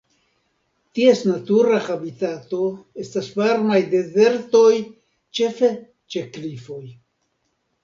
Ties natura habitato estas varmaj dezertoj ĉefe ĉe klifoj.